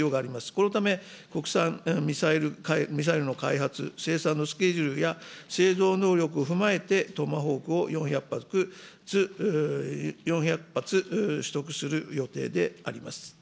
このため、国産ミサイルの開発、生産のスケジュールや、製造能力を踏まえて、トマホークを４００発、取得する予定であります。